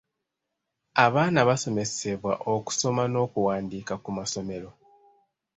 Abaana basomesebwa okusoma n'okuwandiika ku masomero.